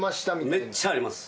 めっちゃあります